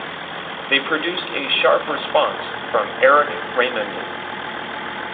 They produced a sharp response from Eric Raymond.